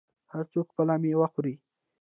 هر څوک خپله میوه خوري.